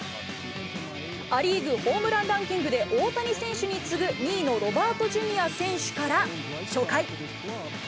ア・リーグホームランランキングで大谷選手に次ぐ２位のロバートジュニア選手から、初回。